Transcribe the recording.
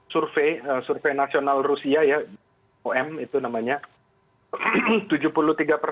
survei nasional rusia ya om itu namanya